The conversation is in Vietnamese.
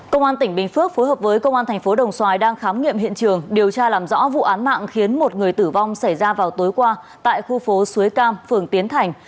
công an tỉnh bình phước phối hợp với công an thành phố đồng xoài đang khám nghiệm hiện trường điều tra làm rõ vụ án mạng khiến một người tử vong xảy ra vào tối qua tại khu phố suối cam phường tiến thành